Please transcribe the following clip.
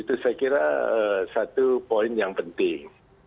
itu saya kira satu poin yang penting